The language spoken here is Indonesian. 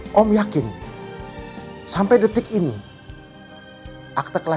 gimana dia sekolah